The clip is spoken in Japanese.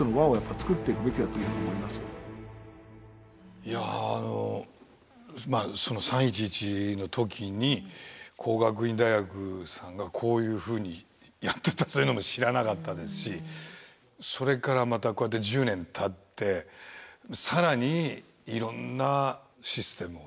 いや３．１１の時に工学院大学さんがこういうふうにやってたというのも知らなかったですしそれからまたこうやって１０年たって更にいろんなシステムをこうやって立ち上げてるっていう。